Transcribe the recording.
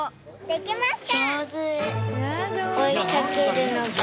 できました！